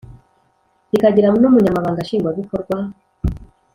rikagira n Umunyamabanga Nshingwabikorwa